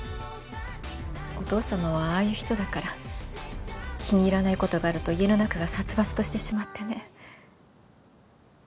お父さまはああいう人だから気に入らないことがあると家の中が殺伐としてしまってね。